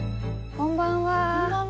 こんばんは。